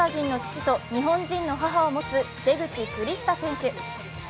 相手はカナダ人の父と日本人の母を持つ出口クリスタ選手。